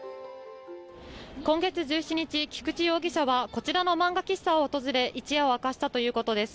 今月１７日、菊池容疑者はこちらの漫画喫茶を訪れ一夜を明かしたということです。